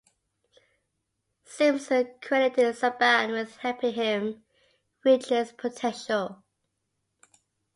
Simpson credited Saban with helping him reach his potential.